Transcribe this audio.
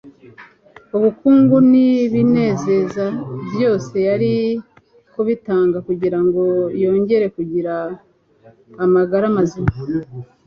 Ubukurugu n'ibinezeza, byose yari kubitanga kugira ngo yongere kugira amagara mazima,